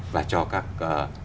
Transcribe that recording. và cho các chuỗi cung cấp